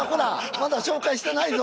まだ紹介してないぞ。